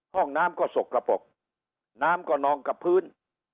ห้องน้ำก็สกระปกน้ำก็นองกับพื้น